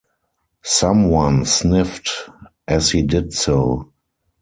Someone sniffed as he did so.